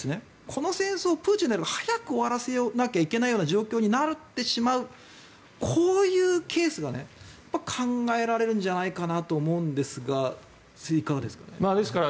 この戦争をプーチン大統領が早く終わらせなきゃいけないような状況になってしまうこういうケースが考えられるんじゃないかなと思うんですが、いかがですかね。